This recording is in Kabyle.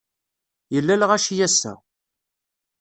Yella lɣaci ass-a.